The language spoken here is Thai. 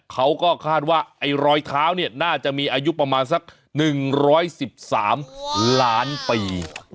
เขาก็คาดว่าไอ้รอยเท้าเนี่ยน่าจะมีอายุประมาณสัก๑๑๓ล้านปี